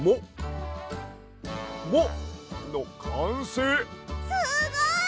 すごい！